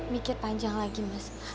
mikir panjang lagi mas